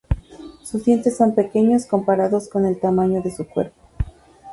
Sus dientes son pequeños comparados con el tamaño de su cuerpo.